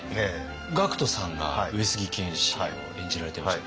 ＧＡＣＫＴさんが上杉謙信を演じられていました。